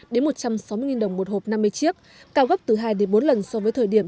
đến một trăm sáu mươi đồng một hộp năm mươi chiếc cao gấp từ hai đến bốn lần so với thời điểm